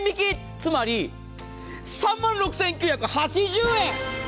つまり、３万６９８０円。